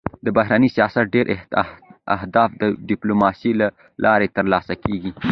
د بهرني سیاست ډېری اهداف د ډيپلوماسی له لارې تر لاسه کېږي.